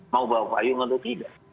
mau bawa payung atau tidak